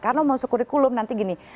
karena masuk kurikulum nanti gini